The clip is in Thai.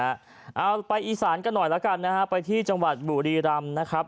เอาไปอีสานกันหน่อยแล้วกันนะฮะไปที่จังหวัดบุรีรำนะครับ